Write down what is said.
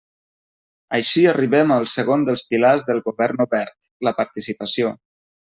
Així arribem al segon dels pilars del govern obert: la participació.